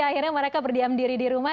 akhirnya mereka berdiam diri di rumah